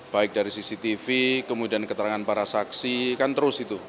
baik dari cctv kemudian keterangan para saksi kan terus itu